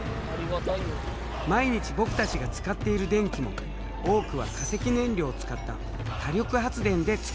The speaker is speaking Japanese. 毎日僕たちが使っている電気も多くは化石燃料を使った火力発電で作られたもの。